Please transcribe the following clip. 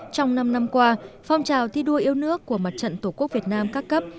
trong năm năm qua phong trào thi đua yêu nước của mặt trận tổ quốc việt nam các cấp